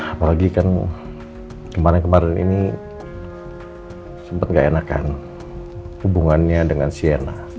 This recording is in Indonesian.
apalagi kan kemarin kemarin ini sempat gak enakan hubungannya dengan sierna